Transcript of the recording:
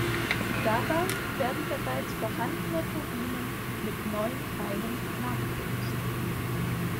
Dabei werden bereits vorhandene Turbinen mit neuen Teilen nachgerüstet.